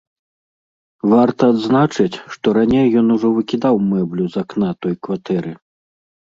Варта адзначыць, што раней ён ужо выкідаў мэблю з акна той кватэры.